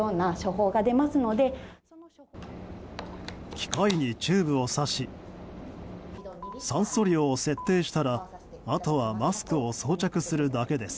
機械にチューブを挿し酸素量を設定したらあとはマスクを装着するだけです。